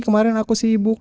kemarin aku sibuk